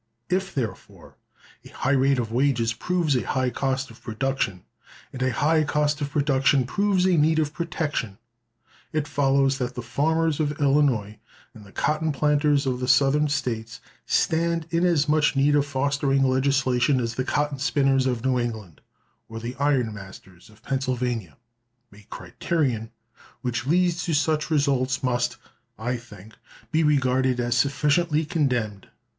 If, therefore, a high rate of wages proves a high cost of production, and a high cost of production proves a need of protection, it follows that the farmers of Illinois and the cotton planters of the Southern States stand in as much need of fostering legislation as the cotton spinners of New England or the iron masters of Pennsylvania! A criterion which leads to such results must, I think, be regarded as sufficiently condemned.